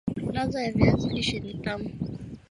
ladha ya viazi lishe ni tamu